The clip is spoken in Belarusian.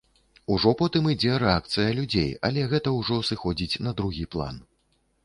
Ужо потым ідзе рэакцыя людзей, але гэта ўжо сыходзіць на другі план.